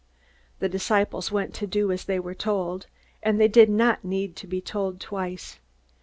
The disciples went to do as they were told, and they did not need to be told twice.